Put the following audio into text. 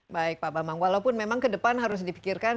baik pak bamang walaupun memang kedepan harus dipikirkan